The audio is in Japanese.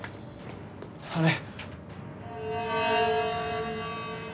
あれ。